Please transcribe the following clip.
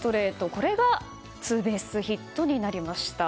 これがツーベースヒットになりました。